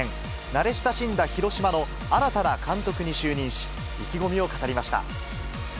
慣れ親しんだ広島の新たな監督に就任し、意気込みを語りました。